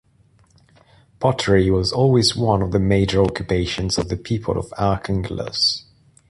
Pottery was always one of the major occupations of the people of Archangelos.